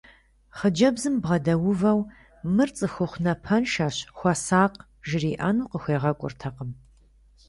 Хъыджэбзым бгъэдэувэу мыр цӏыхухъу напэншэщ, хуэсакъ жриӏэну къыхуегъэкӏуртэкъым…